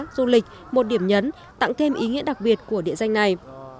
du lịch một điểm nhấn tặng thêm ý nghĩa đặc biệt của địa danh này